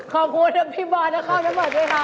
ขอบคุณพี่บอยนครทั้งหมดด้วยค่ะ